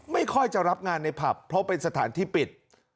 ไม่ค่อยจะรับงานในผับเพราะเป็นสถานที่ปิด